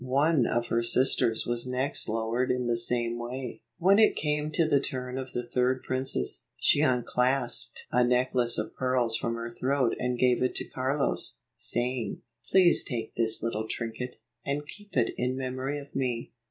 One of her sisters was next lowered in the same way. 151 When it came to the turn of the third princess, she unclasped a necklace of pearls from her throat and gave it to Carlos, saying, "Please take this little trinket, and keep it in memory of me.